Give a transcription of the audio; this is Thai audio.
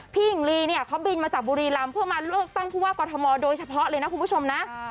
หญิงลีเนี่ยเขาบินมาจากบุรีรำเพื่อมาเลือกตั้งผู้ว่ากอทมโดยเฉพาะเลยนะคุณผู้ชมนะ